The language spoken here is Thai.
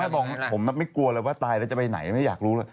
ผมไม่กลัวเลยว่าตายแล้วจะไปไหนไม่อยากรู้เลย